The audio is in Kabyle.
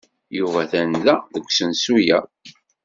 Yuba atan da, deg usensu-a.